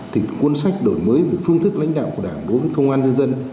thì cuốn sách đổi mới về phương thức lãnh đạo của đảng đối với công an nhân dân